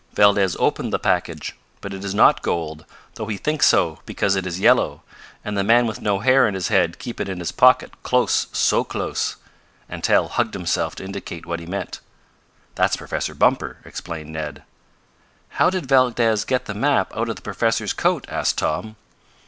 "Valdez open the package; but it is not gold, though he think so because it is yellow, and the man with no hair on his head keep it in his pocket close, so close," and Tal hugged himself to indicate what he meant. "That's Professor Bumper," explained Ned. "How did Valdez get the map out of the professor's coat?" asked Tom.